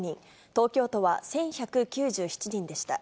東京都は１１９７人でした。